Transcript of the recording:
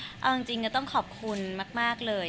เอาจริงก็ต้องขอบคุณมากเลย